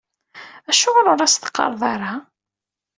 Acuɣer ur as-teqqareḍ ara?